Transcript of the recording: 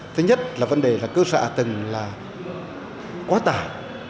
thứ nhất là vấn đề là cơ sạ từng là quá tải